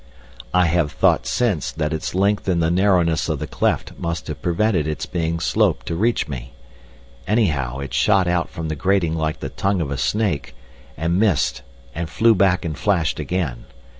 I have thought since that its length in the narrowness of the cleft must have prevented its being sloped to reach me. Anyhow, it shot out from the grating like the tongue of a snake, and missed and flew back and flashed again.